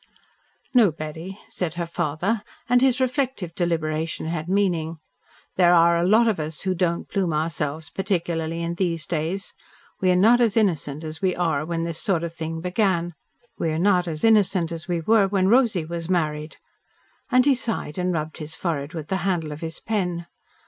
"No, Betty," said her father, and his reflective deliberation had meaning. "There are a lot of us who don't plume ourselves particularly in these days. We are not as innocent as we were when this sort of thing began. We are not as innocent as we were when Rosy was married." And he sighed and rubbed his forehead with the handle of his pen.